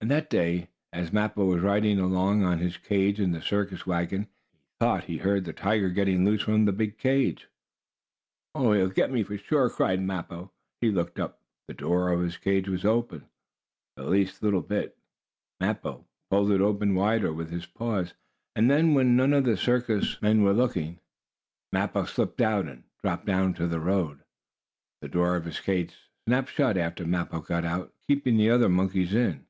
And that day, as Mappo was riding along in his own cage in the circus wagon, he thought he heard the tiger getting loose from the big cage. "Oh, he'll get me, sure!" cried Mappo. He looked up. The door of his cage was open the least little bit. Mappo pulled it open wider with his paws, and then, when none of the circus men was looking, Mappo slipped out, and dropped down to the road. The door of his cage snapped shut after Mappo got out, keeping the other monkeys in.